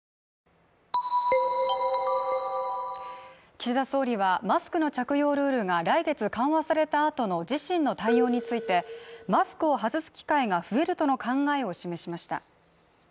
岸田総理はマスクの着用ルールが来月緩和された後の自身の対応についてマスクを外す機会が増えるとの考えを示しました。